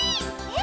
え？